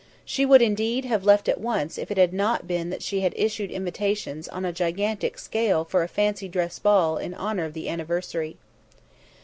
She would, indeed, have left at once if it had not been that she had issued invitations on a gigantic scale for a fancy dress ball in honour of the anniversary.